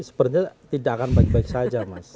sepertinya tidak akan baik baik saja mas